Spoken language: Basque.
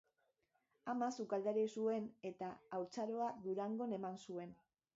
Ama sukaldaria zuen eta haurtzaroa Durangon eman zuen.